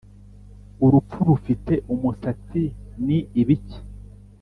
urupfu rufite umusatsi ni ibiki